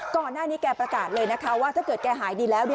แกประกาศเลยนะคะว่าถ้าเกิดแกหายดีแล้ว